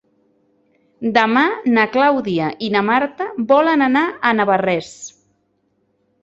Demà na Clàudia i na Marta volen anar a Navarrés.